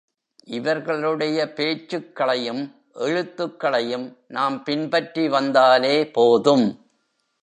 இவர்களுடைய பேச்சுக்களையும், எழுத்துக்களையும் நாம் பின்பற்றி வந்தாலே போதும்.